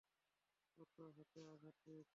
ওর হাতে আঘাত পেয়েছে।